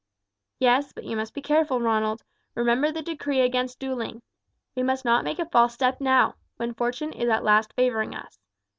"Yes, but you must be careful, Ronald; remember the decree against duelling. We must not make a false step now, when fortune is at last favouring us.